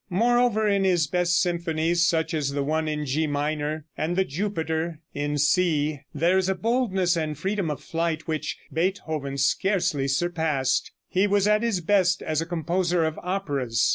Moreover, in his best symphonies, such as the one in G minor, and the "Jupiter" in C, there is a boldness and freedom of flight which Beethoven scarcely surpassed. He was at his best as a composer of operas.